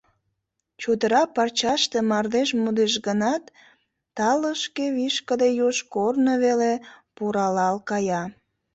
Чодыра парчаште мардеж модеш гынат, талышке вишкыде юж корно веле пуралал кая.